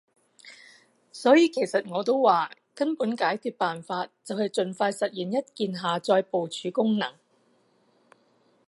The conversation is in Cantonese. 所以其實我都話，根本解決辦法就係儘快實現一鍵下載部署功能